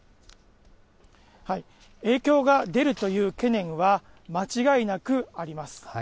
影響が出るという懸念は間違いなくあります。